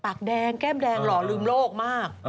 ปากแดงแก้มแดงหล่อลืมโลกมาก